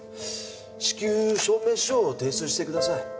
至急証明書を提出してください。